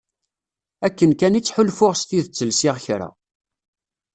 Akken kan i ttḥulfuɣ s tidet lsiɣ kra.